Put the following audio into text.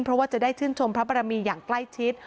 เพราะว่าจะได้ชื่นชมพระบรมีอย่างใกล้ชิด